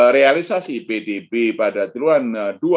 realisasi pdb pada jeluan dua ribu dua puluh satu